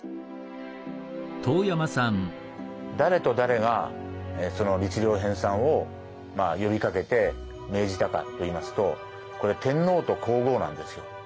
誰と誰がその律令編さんを呼びかけて命じたかと言いますとこれ天皇と皇后なんですよ。